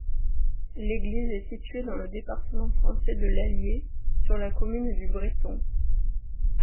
L'église est située dans le département français de l'Allier, sur la commune du Brethon.